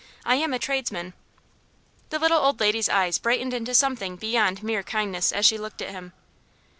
I am a tradesman." The little old lady's eyes brightened into something beyond mere kindness as she looked at him.